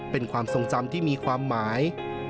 เป็นความทรงจำที่มีความหมาย